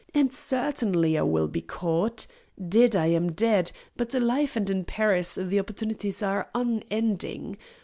And certainly I will be caught. Dead I am dead, but alive and in Paris the opportunities are unending.